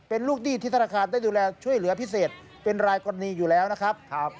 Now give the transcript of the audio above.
เป็นลูกหนี้ที่ธนาคารได้ดูแลช่วยเหลือพิเศษเป็นรายกรณีอยู่แล้วนะครับ